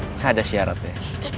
tidak ada syarat ya